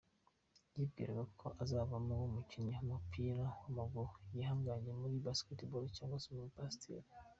Yibwiraga ko azavamo umukinnyi w’umupira w’amaguru, igihangange muri Basketaball cyangwa se Umupasiteri.